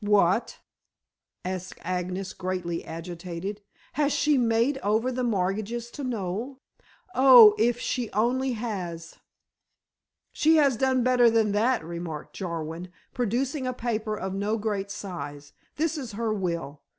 "What?" asked Agnes greatly agitated. "Has she made over the mortgages to Noel? Oh, if she only has." "She has done better than that," remarked Jarwin, producing a paper of no great size, "this is her will.